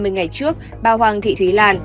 hai mươi ngày trước bà hoàng thị thúy lan